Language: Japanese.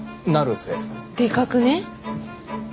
でかくね？